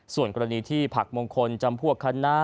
ส่วนกรณีที่ผักมงคลจำพวกคณะ